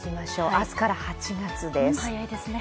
明日から８月です。